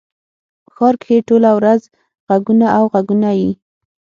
په ښار کښي ټوله ورځ ږغونه او ږغونه يي.